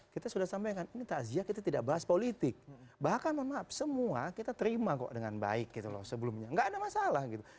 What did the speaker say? kita sudah sampaikan ini takziah kita tidak bahas politik bahkan mohon maaf semua kita terima kok dengan baik gitu loh sebelumnya nggak ada masalah gitu